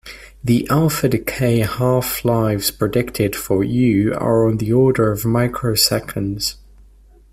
The alpha-decay half-lives predicted for Uue are on the order of microseconds.